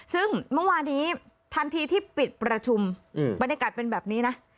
ซึ่งเมื่อวานี้ทันทีที่ปิดประชุมบรรยากาศเป็นแบบนี้นะ